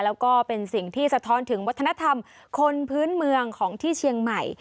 แล้วก็เป็นสิ่งที่สะท้อนถึงวัฒนธรรมคนพื้นเมืองของที่เชียงใหม่